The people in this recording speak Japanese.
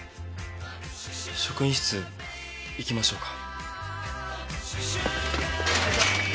職員室行きましょうか。